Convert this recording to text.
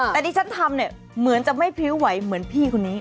แต่ที่ฉันทำเนี่ยเหมือนจะไม่พริ้วไหวเหมือนพี่คนนี้